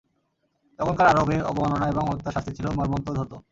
তখনকার আরবে অবমাননা এবং হত্যার শাস্তি বড় মর্মন্তুদ হত।